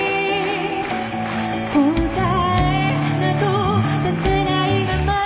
「答えなど出せないまま」